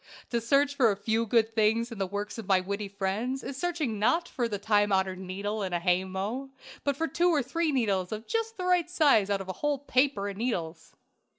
To search for a few good things in the works of my witty friends is searching not for the time honored needle in a hay mow, but for two or three needles of just the right size out of a whole paper of needles.